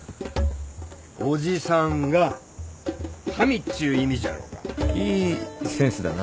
おじさんが神っちゅう意味じゃろが。いいセンスだな。